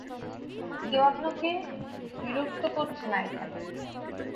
কেউ আপনাকে বিরক্ত করছে না এখানে।